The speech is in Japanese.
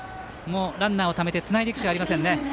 ランナーをためてつないでいくしかありませんね。